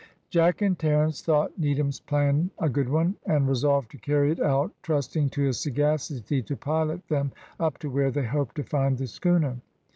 Jack and Terence thought Needham's plan a good one, and resolved to carry it out, trusting to his sagacity to pilot them up to where they hoped to find the schooner.